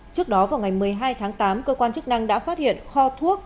trước đó vào ngày một mươi hai tháng tám cơ quan chức năng đã phát hiện kho thuốc